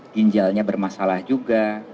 ginjalnya bermasalah juga